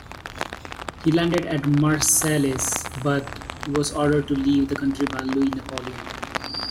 He landed at Marseilles, but was ordered to leave the country by Louis Napoleon.